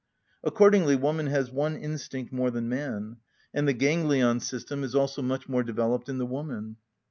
Accordingly woman has one instinct more than man; and the ganglion system is also much more developed in the woman.